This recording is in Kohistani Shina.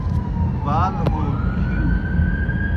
بال ہو ہِیؤ